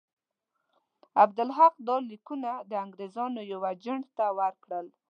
عبدالحق دا لیکونه د انګرېزانو یوه اجنټ ته ورکړل.